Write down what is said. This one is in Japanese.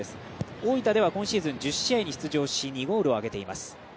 大分では、今シーズン１０試合に出場し２ゴールを挙げています。